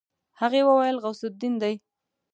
هغې وويل غوث الدين دی.